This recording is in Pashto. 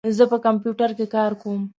زه په کمپیوټر کې کار کوم.